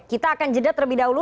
kita akan jeda terlebih dahulu